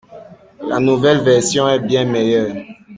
La nouvelle version est bien meilleure.